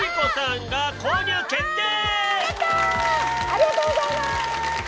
ありがとうございます。